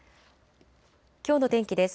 きょうの天気です。